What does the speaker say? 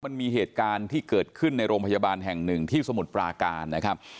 มันมีเหตุการณ์ที่เกิดขึ้นในโรงพยาบาลแห่งหนึ่งที่สมุทรปราการนะครับ